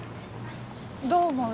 どう思う？